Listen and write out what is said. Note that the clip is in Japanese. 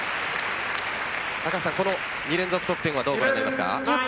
この２連続得点はどうご覧になりますか？